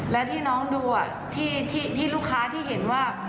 และที่น้องดูอ่ะที่ที่ที่ลูกค้าที่เห็นว่า